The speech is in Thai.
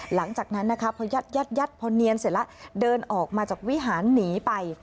หลังจากนั้นนะคะพอยัดพอเนียนเสร็จแล้วเดินออกมาจากวิหารหนีไป